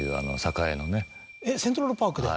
えっセントラルパークで？